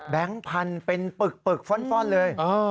แบงค์พันเป็นปึกปึกฟ่อนเลย